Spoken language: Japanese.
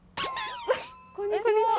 こんにちは。